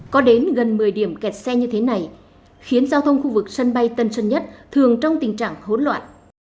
có đến gần một mươi điểm kẹt xe như thế này khiến giao thông khu vực sân bay tân sơn nhất thường trong tình trạng hỗn loạn